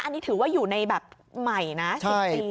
อันนี้ถือว่าอยู่ในแบบใหม่นะ๑๐ปี